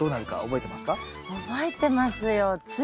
覚えてますよ。